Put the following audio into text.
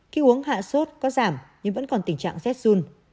khi uống hạ suốt có giảm nhưng vẫn còn tình trạng rét run